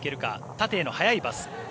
縦への速いパス。